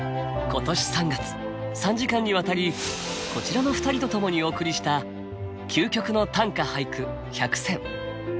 今年３月３時間にわたりこちらの２人と共にお送りした「究極の短歌・俳句１００選」。